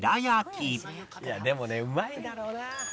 「いやでもねうまいだろうな！」